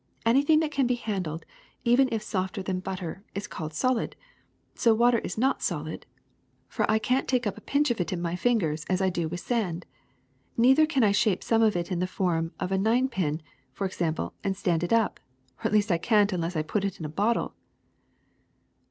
'' Any thing that can be handled, even if softer than butter, is called solid. So water is not solid, for I can't 230 THE THREE STATES OF MATTER 231 take up a pinch of it in my fingers as I do with sand. Neither can I shape some of it in the form of a nine pin, for example, and stand it up; or at least I can't unless I put it in a bottle."